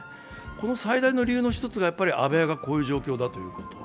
この最大の理由の１つがやっぱり安倍派がこういう状況だということ。